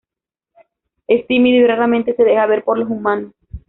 Es tímido y raramente se deja ver por los humanos.